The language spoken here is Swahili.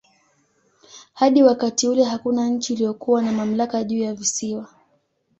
Hadi wakati ule hakuna nchi iliyokuwa na mamlaka juu ya visiwa.